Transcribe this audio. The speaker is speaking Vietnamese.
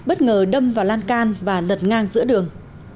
bất ngờ đâm vào lan can và lật ngang giữa đường